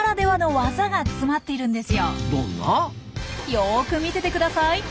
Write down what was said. よく見ててください。